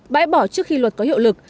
bãi bỏ trước khi luật có hiệu lực